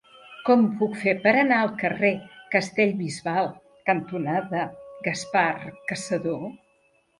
Com ho puc fer per anar al carrer Castellbisbal cantonada Gaspar Cassadó?